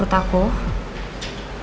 maka dia pasti kepo